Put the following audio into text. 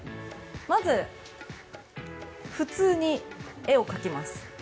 まず、普通に絵を描きます。